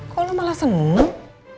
kok lo malah sengeng